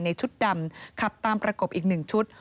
ในชุดดำคับตามประกบอีกหนึ่งชุด